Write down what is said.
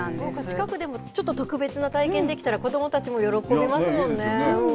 近くでも、ちょっと特別な体験できたら、子どもたちも喜びまいいですよね。